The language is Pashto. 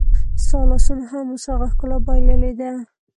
ستا لاسونو هم اوس هغه ښکلا بایللې ده